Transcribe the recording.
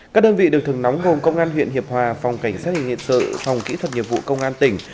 các đơn vị được thường nóng gồm công an huyện hiệp hòa phòng cảnh sát hình sự phòng kỹ thuật nghiệp vụ công an tỉnh